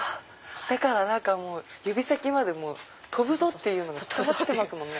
だから指先まで飛ぶぞ！っていうのが伝わってますね。